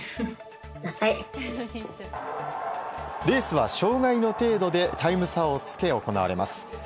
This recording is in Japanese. レースは障害の程度でタイム差をつけ、行われます。